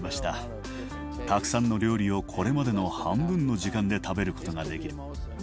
たくさんの料理をこれまでの半分の時間で食べることができる。